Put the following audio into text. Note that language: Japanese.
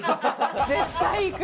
「絶対行く」。